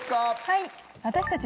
はい！